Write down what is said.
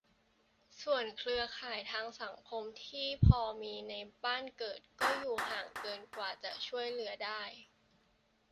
ส่วนเครือข่ายทางสังคมที่พอมีในบ้านเกิด ก็อยู่ห่างเกินกว่าจะช่วยเหลือได้